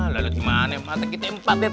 lalu gimana mata kita empat ya